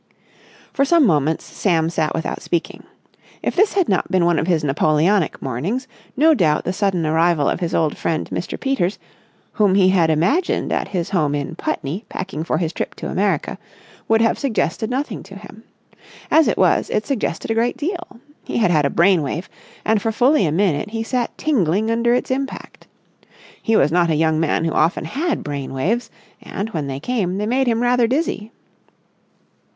For some moments Sam sat without speaking. If this had not been one of his Napoleonic mornings, no doubt the sudden arrival of his old friend, Mr. Peters, whom he had imagined at his home in Putney packing for his trip to America, would have suggested nothing to him. As it was, it suggested a great deal. He had had a brain wave, and for fully a minute he sat tingling under its impact. He was not a young man who often had brain waves, and, when they came, they made him rather dizzy.